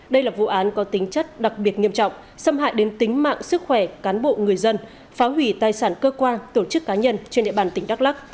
đây là vụ án có tính chất đặc biệt nghiêm trọng xâm hại đến tính mạng sức khỏe cán bộ người dân phá hủy tài sản cơ quan tổ chức cá nhân trên địa bàn tỉnh đắk lắc